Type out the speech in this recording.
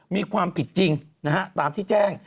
มีความผิดจริงนะฮะตามที่แจ้ง